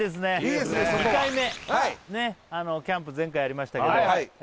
外は２回目ねっキャンプ前回やりましたけど